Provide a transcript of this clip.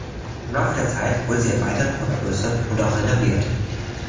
Im Laufe der Zeit wurde sie erweitert und vergrößert und auch renoviert.